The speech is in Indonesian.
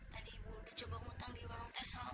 tadi ibu udah coba ngutang di warung teh sama